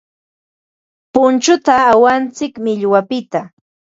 Punchuta awantsik millwapiqta.